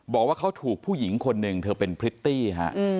บอกว่าเขาถูกผู้หญิงคนหนึ่งเธอเป็นพริตตี้ฮะ